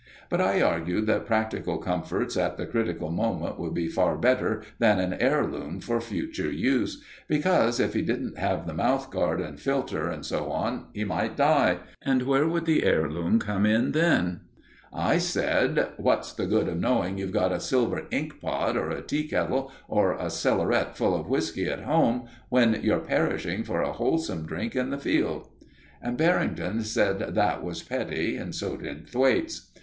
But I argued that practical comforts at the critical moment would be far better than an heirloom for future use, because if he didn't have the mouth guard and filter and so on, he might die; and where would the heirloom come in then? I said: "What's the good of knowing you've got a silver ink pot, or a tea kettle, or a cellaret full of whisky at home, when you're perishing for a wholesome drink on the field?" And Barrington said that was petty, and so did Thwaites.